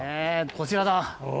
こちらだ。